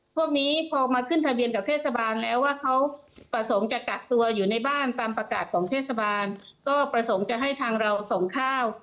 พวกนี้พอมาขึ้นทะเบียนกับเทศบาลแล้วว่าเขาประสงค์จะกักตัวอยู่ในบ้านตามประกาศของเทศบาลก็ประสงค์จะให้ทางเราส่งข้าว